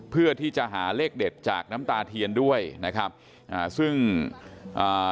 เพื่อที่จะหาเลขเด็ดจากน้ำตาเทียนด้วยนะครับอ่าซึ่งอ่า